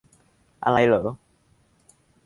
อะไรเหรอ